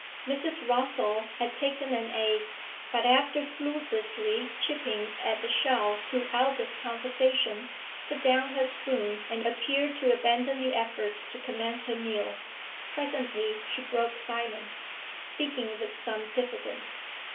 Mrs. Rossall had taken an egg, but, after fruitlessly chipping at the shell throughout this conversation, put down her spoon and appeared to abandon the effort to commence her meal. Presently she broke silence, speaking with some diffidence.